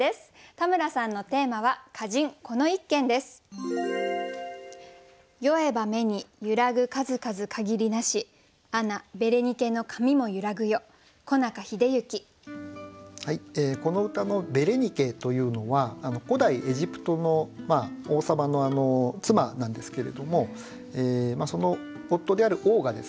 田村さんのテーマはこの歌の「ベレニケ」というのは古代エジプトの王様の妻なんですけれどもその夫である王がですね